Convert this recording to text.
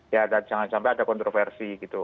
ya dan jangan sampai ada kontroversi gitu